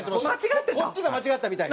こっちが間違ったみたい。